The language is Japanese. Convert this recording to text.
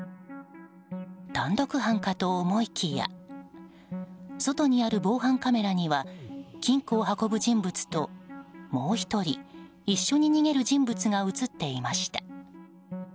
単独犯かと思いきや外にある防犯カメラには金庫を運ぶ人物と、もう１人一緒に逃げる人物が映っていました。